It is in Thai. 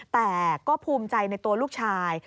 แต่ก็ภูมิใจในตัวลูกชาย